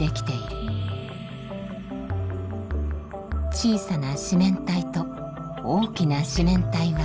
小さな四面体と大きな四面体は相似。